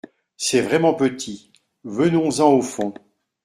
C’est vraiment petit ! Venons-en au fond.